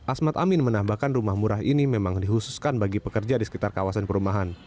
asmat amin menambahkan rumah murah ini memang dihususkan bagi pekerja di sekitar kawasan perumahan